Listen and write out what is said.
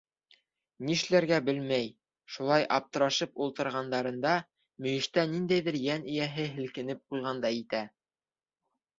Нишләргә белмәй, шулай аптырашып ултырғандарында мөйөштә ниндәйҙер йән эйәһе һелкенеп ҡуйғандай итә.